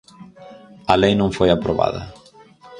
A lei non foi aprobada.